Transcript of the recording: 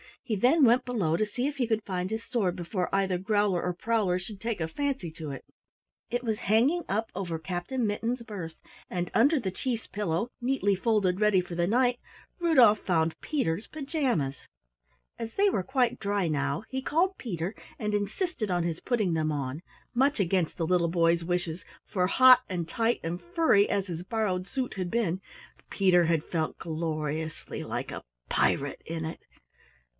He then went below to see if he could find his sword before either Growler or Prowler should take a fancy to it. It was hanging up over Captain Mittens' berth, and under the Chief's pillow, neatly folded ready for the night, Rudolf found Peter's pajamas. As they were quite dry now, he called Peter and insisted on his putting them on, much against the little boy's wishes, for hot and tight and furry as his borrowed suit had been, Peter had felt gloriously like a pirate in it!